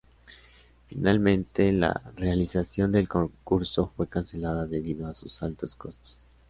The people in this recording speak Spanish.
Finalmente, la realización del concurso fue cancelada debido a sus altos costos.